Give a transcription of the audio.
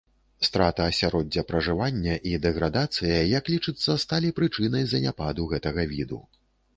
Страта асяроддзя пражывання і дэградацыя, як лічыцца, сталі прычынай заняпаду гэтага віду.